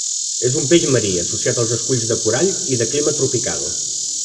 És un peix marí, associat als esculls de corall i de clima tropical.